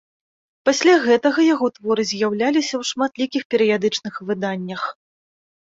Пасля гэтага яго творы з'яўляліся ў шматлікіх перыядычных выданнях.